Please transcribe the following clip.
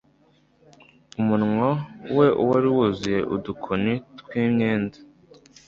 umunwa we wari wuzuye udukoni twimyenda